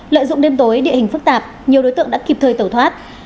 lợi dụng đêm tối địa hình phức tạp nhiều đối tượng đã kịp thời tẩu thoát